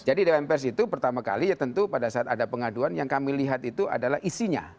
jadi di dawan pers itu pertama kali ya tentu pada saat ada pengaduan yang kami lihat itu adalah isinya